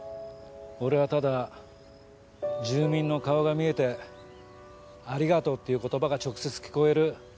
俺はただ住民の顔が見えてありがとうっていう言葉が直接聞こえる